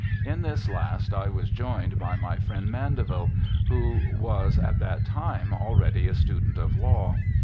In this last I was joined by my friend Mandeville, who was at that time already a student of law.